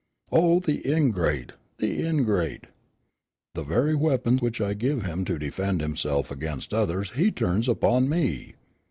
Oh, the ingrate, the ingrate! The very weapon which I give him to defend himself against others he turns upon me.